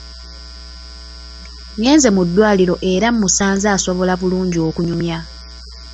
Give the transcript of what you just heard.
Ngenze mu ddwaliro era mmusanze asobola bulungi okunyumya.